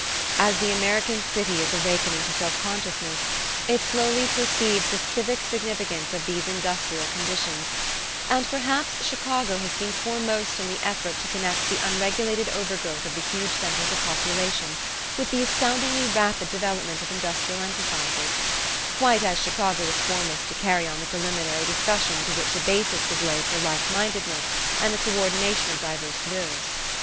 As the American city is awakening to self consciousness, it slowly perceives the civic significance of these industrial conditions, and perhaps Chicago has been foremost in the effort to connect the unregulated overgrowth of the huge centers of population, with the astonishingly rapid development of industrial enterprises; quite as Chicago was foremost to carry on the preliminary discussion through which a basis was laid for likemindedness and the coordination of diverse wills.